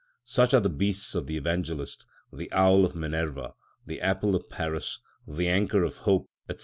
Such are the beasts of the Evangelist, the owl of Minerva, the apple of Paris, the Anchor of Hope, &c.